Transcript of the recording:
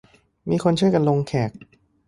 มีคนช่วยกันลงแขก